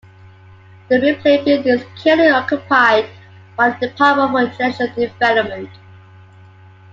The Ripley Building is currently occupied by the Department for International Development.